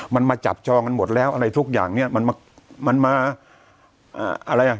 มันมาจับจองกันหมดแล้วอะไรทุกอย่างเนี้ยมันมามันมาอ่าอะไรอ่ะ